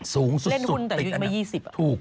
สูงสุดติดอันนั้น